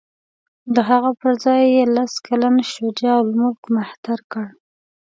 د هغه پر ځای یې لس کلن شجاع الملک مهتر کړ.